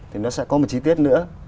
thì nó sẽ có một chi tiết nữa